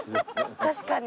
確かに。